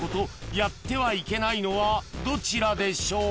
［やってはいけないのはどちらでしょう？］